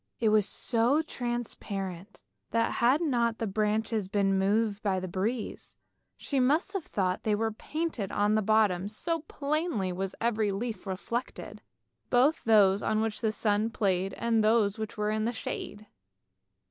It was so transparent, that had not the branches been moved by the breeze, she must have thought that they were painted on the bottom, so plainly was every leaf reflected, both those on which the sun played and those which were in shade.